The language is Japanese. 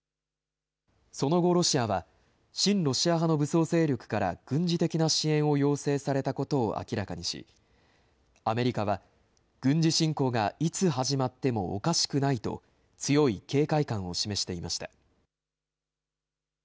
その後、ロシアは親ロシア派の武装勢力から軍事的な支援を要請されたことを明らかにし、アメリカは軍事侵攻がいつ始まってもおかしくないと、強い警戒感を示していました。